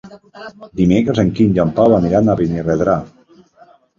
Dimecres en Quim i en Pau aniran a Benirredrà.